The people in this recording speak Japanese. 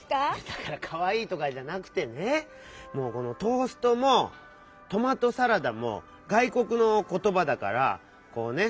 だから「かわいい」とかじゃなくてねこの「トースト」も「トマトサラダ」もがいこくのことばだからこうね